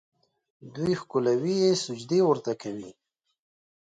دوی ښکلوي یې، سجدې ورته کوي.